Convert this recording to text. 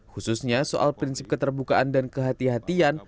khususnya soal prinsip keterbukaan dan kehatian kehatian